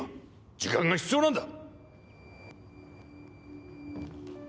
時間が必要なんだ！